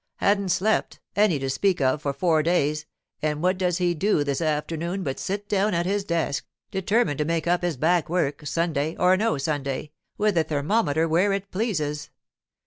Hadn't slept, any to speak of for four days, and what does he do this afternoon but sit down at his desk, determined to make up his back work, Sunday or no Sunday, with the thermometer where it pleases.